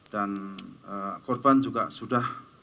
dan korban juga sudah